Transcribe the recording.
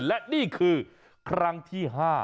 และนี่คือครั้งที่๕